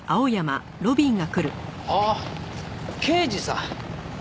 ああ刑事さん。